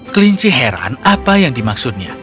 kelinci heran apa yang dimaksudnya